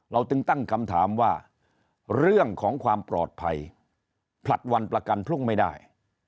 จึงตั้งคำถามว่าเรื่องของความปลอดภัยผลัดวันประกันพรุ่งไม่ได้